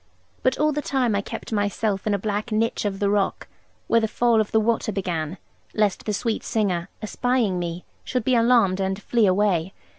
But all the time I kept myself in a black niche of the rock, where the fall of the water began, lest the sweet singer (espying me) should be alarmed, and flee away.